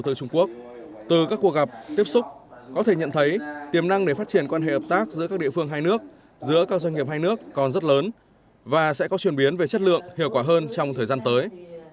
từ các cuộc gặp tiếp xúc có thể nhận thấy tiềm năng để phát triển quan hệ hợp tác giữa các địa phương hai nước giữa các doanh nghiệp hai nước còn rất lớn và sẽ có chuyển biến về chất lượng hiệu quả hơn trong thời gian tới